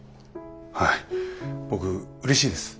はい僕うれしいです。